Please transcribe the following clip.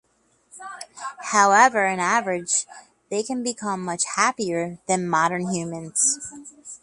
However, in average, they can become much happier than modern humans.